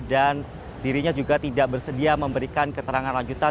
dan dirinya juga tidak bersedia memberikan keterangan lanjutan